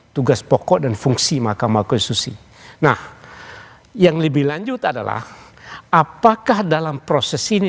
tugas pokok dan fungsi mahkamah konstitusi nah yang lebih lanjut adalah apakah dalam proses ini